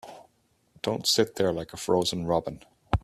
Don't sit there like a frozen robin.